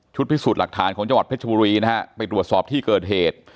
พิสูจน์หลักฐานของจังหวัดเพชรบุรีนะฮะไปตรวจสอบที่เกิดเหตุ